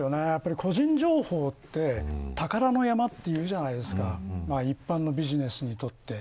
個人情報って宝の山っていうじゃないですか一般のビジネスにとって。